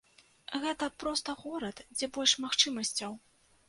Гэта проста горад, дзе больш магчымасцяў.